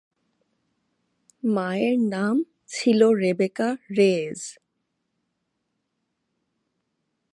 মায়ের নাম ছিল রেবেকা রেয়েজ।